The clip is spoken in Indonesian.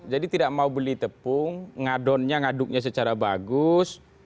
jadi tidak mau beli tepung ngadonnya ngaduknya secara bagus